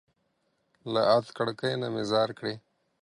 له ادکړکۍ نه مي ځار کړى